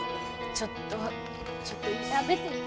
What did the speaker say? ちょっとちょっとやめてよ。